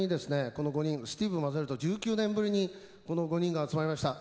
この５人スティーブ交ぜると１９年ぶりにこの５人が集まりました。